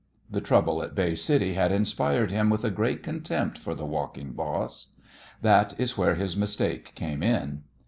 The trouble at Bay City had inspired him with a great contempt for the walking boss. That is where his mistake came in.